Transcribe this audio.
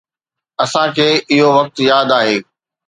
اسان کي اهو وقت ياد آهي.